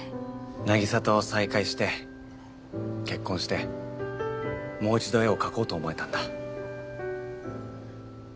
凪沙と再会して結婚してもう一度絵を描こうと思えたんだ。